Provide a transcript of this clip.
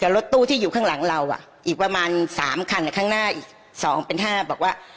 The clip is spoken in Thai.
รถตู้ที่อยู่ข้างหลังเราอีกประมาณ๓คันข้างหน้าอีก๒เป็น๕บอกว่า